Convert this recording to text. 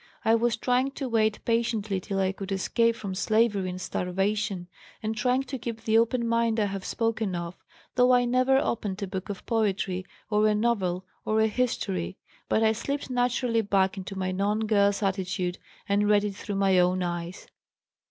I was trying to wait patiently till I could escape from slavery and starvation, and trying to keep the open mind I have spoken of, though I never opened a book of poetry, or a novel, or a history, but I slipped naturally back into my non girl's attitude and read it through my own eyes.